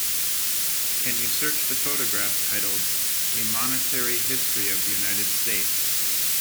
Can you search the photograph titled A Monetary History of the United States